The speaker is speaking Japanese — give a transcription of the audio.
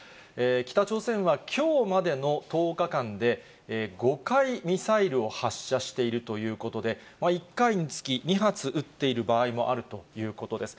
北朝鮮はきょうまでの１０日間で、５回、ミサイルを発射しているということで、１回につき２発撃っている場合もあるということです。